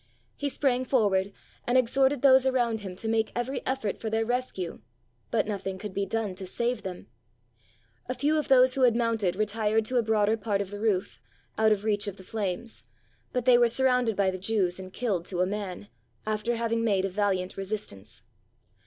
He sprang forward and exhorted those around him to make every effort for their rescue. But nothing could be done to save them. A few of those who had mounted retired to a broader part of the roof, out of reach of the flames; but they were surrounded by the Jews and killed to a man, after having made a vahant resistance.